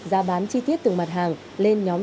ra bán chi tiết từ mặt hàng lên nhóm